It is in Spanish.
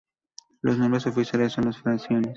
Los nombres oficiales son los frisones.